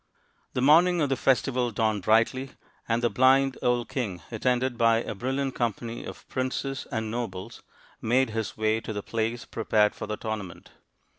The morning of the festival dawned brightly, and the blind old king, attended by a brilliant company of princes and nobles, made his way to the place prepared for the tournament.